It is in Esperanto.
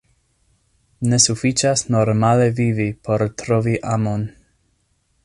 Ne sufiĉas normale vivi por trovi amon.